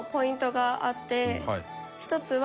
１つは。